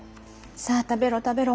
『さあたべろ、たべろ。